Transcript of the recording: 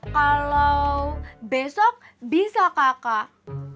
kalau besok bisa kakak